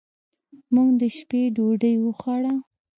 موږ د شپې ډوډۍ وخوړه.